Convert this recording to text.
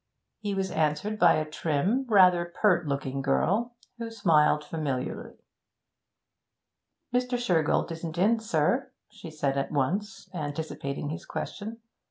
He was answered by a trim, rather pert looking girl, who smiled familiarly. 'Mr. Shergold isn't in, sir,' she said at once, anticipating his question.